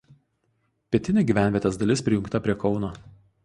Pietinė gyvenvietės dalis prijungta prie Kauno.